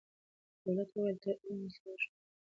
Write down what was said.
دولت وویل تر علم زه مشهور یم